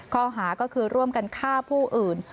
ข้อหาก็คือร่วมกันฆ่าผู้อื่น